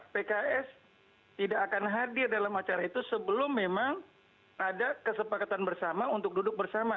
pks tidak akan hadir dalam acara itu sebelum memang ada kesepakatan bersama untuk duduk bersama